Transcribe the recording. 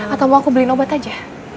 atau mau aku beli obat aja